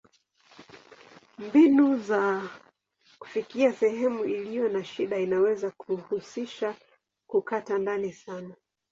Mbinu ya kufikia sehemu iliyo na shida inaweza kuhusisha kukata ndani sana.